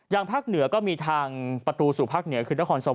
อยังพักเหนือก็มีทางประตูสู่พักเหนือกคือนครสวรรค์เนี่ยนะครับ